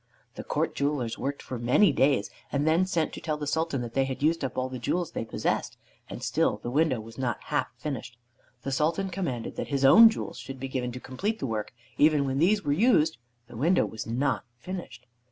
The court jewelers worked for many days, and then sent to tell the Sultan that they had used up all the jewels they possessed, and still the window was not half finished. The Sultan commanded that his own jewels should be given to complete the work; even when these were used the window was not finished.